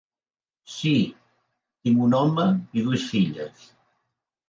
Sí, tinc un home i dues filles.